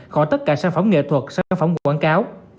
khỏi tất cả sản phẩm nghệ thuật sản phẩm quảng cáo